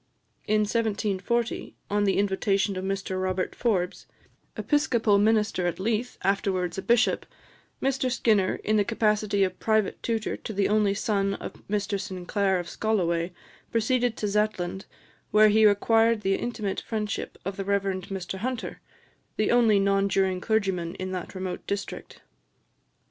In 1740, on the invitation of Mr Robert Forbes, Episcopal minister at Leith, afterwards a bishop, Mr Skinner, in the capacity of private tutor to the only son of Mr Sinclair of Scolloway, proceeded to Zetland, where he acquired the intimate friendship of the Rev. Mr Hunter, the only non juring clergyman in that remote district.